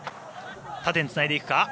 縦につないでいくか。